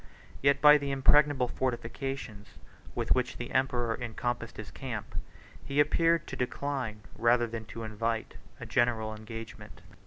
Yet by the impregnable fortifications with which the emperor encompassed his camp, he appeared to decline, rather than to invite, a general engagement.